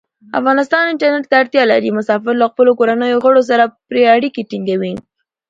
افغانستان انټرنیټ ته اړتیا لري. مسافر له خپلو کورنیو غړو سره پری اړیکې ټینګوی.